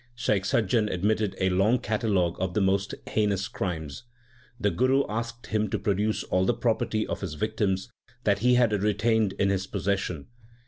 Shaikh Sajjan admitted a long catalogue of the most heinous crimes. The Guru asked him to produce all the property of his victims that he had retained in his possession.